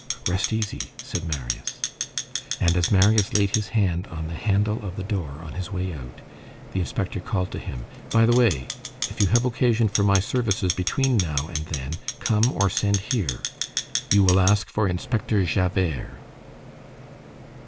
"Rest easy," said Marius. And as Marius laid his hand on the handle of the door on his way out, the inspector called to him:— "By the way, if you have occasion for my services between now and then, come or send here. You will ask for Inspector Javert."